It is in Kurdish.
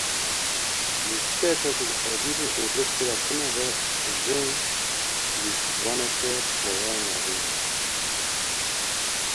Lîstikeke ku evîn û rik tê de tune be, jin lîstikvaneke pileya navîn e.